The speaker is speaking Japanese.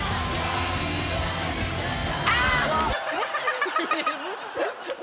あっ！